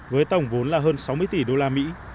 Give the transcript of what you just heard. với tổng vốn là hơn sáu mươi tỷ usd